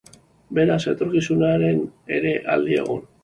Beraz, etorkizunean ere, adi egon!